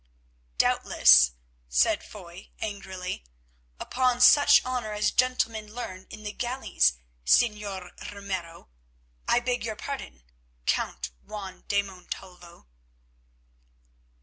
"Doubtless," said Foy, angrily, "upon such honour as gentlemen learn in the galleys, Señor Ramiro—I beg your pardon, Count Juan de Montalvo."